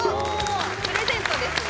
プレゼントですね。